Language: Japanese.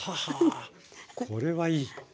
これはいい。